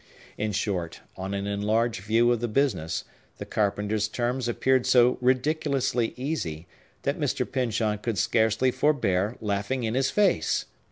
In short, on an enlarged view of the business, the carpenter's terms appeared so ridiculously easy that Mr. Pyncheon could scarcely forbear laughing in his face.